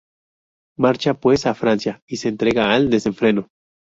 Marcha, pues, a Francia y se entrega al desenfreno.